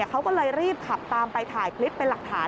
เขาก็เลยรีบขับตามไปถ่ายคลิปเป็นหลักฐาน